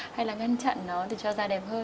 hay là ngăn chặn nó để cho da đẹp hơn